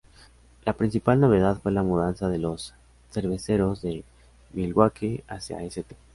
La principal novedad fue la mudanza de los Cerveceros de Milwaukee hacia St.